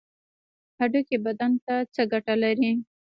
هډوکي بدن ته څه ګټه لري؟